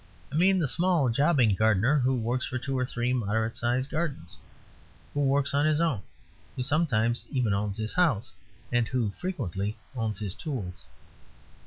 I mean the small jobbing gardener who works for two or three moderate sized gardens; who works on his own; who sometimes even owns his house; and who frequently owns his tools.